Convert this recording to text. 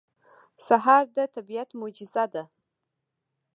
سهار د طبیعت معجزه ده.